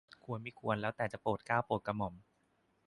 ควรมิควรแล้วแต่จะโปรดเกล้าโปรดกระหม่อม